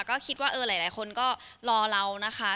ก็คิดว่าหลายคนก็รอเรานะคะ